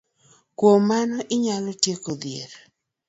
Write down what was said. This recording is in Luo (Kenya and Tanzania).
Kuom mano, inyalo tiek dhier